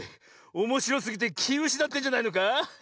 おもしろすぎてきうしなってんじゃないのか？